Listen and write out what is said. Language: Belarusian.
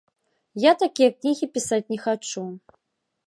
Я такія кнігі пісаць не хачу.